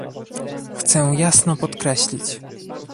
Chcę jasno podkreślić